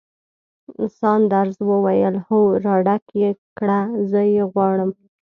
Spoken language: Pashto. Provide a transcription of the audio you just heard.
ساندرز وویل: هو، راډک یې کړه، زه یې غواړم.